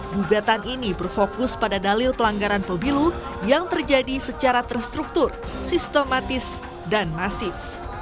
gugatan ini berfokus pada dalil pelanggaran pemilu yang terjadi secara terstruktur sistematis dan masif